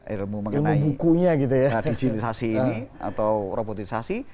ilmu mengenai digitalisasi ini atau robotisasi